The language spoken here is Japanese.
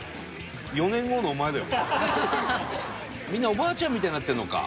みんなおばあちゃんみたいになってるのか。